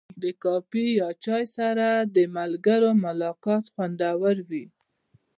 د کافي یا چای سره د ملګرو ملاقات خوندور وي.